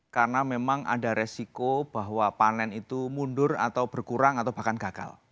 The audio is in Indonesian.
karena memang ada resiko bahwa panen itu mundur atau berkurang atau bahkan gagal